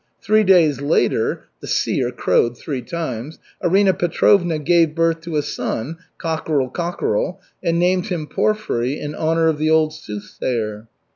Three days later (the seer crowed three times!) Arina Petrovna gave birth to a son ("cockerel! cockerel!") and named him Porfiry in honor of the old soothsayer.